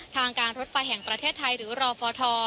ทางการรถไฟแห่งประเทศไทยหรือรอฟท